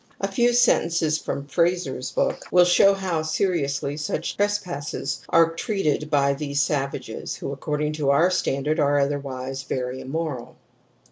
A few sentences from Frazer's book ' will show how seriously such trespasses are treated by these savages who, according to our standard are otherwise very immoral.